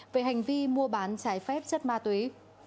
về hành vi mua bán trái phép chất ma túy